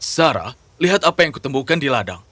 sarah lihat apa yang kutemukan di ladang